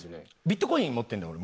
ビットコイン持ってるのよ